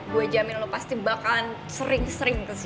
gue jamin lo pasti bakal sering sering kesini